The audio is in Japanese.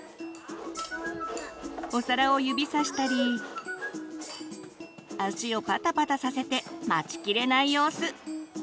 お皿を指さしたり足をパタパタさせて待ちきれない様子！